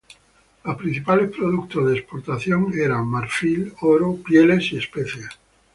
Los principales productos de exportación eran marfil, oro, pieles y especias.